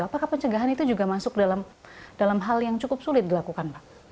apakah pencegahan itu juga masuk dalam hal yang cukup sulit dilakukan pak